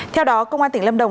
theo đó công an tỉnh lâm đồng